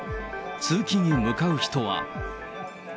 通勤に向かう人は。